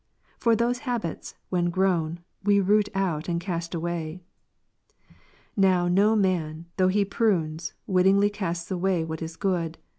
For those habits, when grown, we root out and cast away. Now no man, though he .J(.lm 15, prunes, wittingly casts away what is good.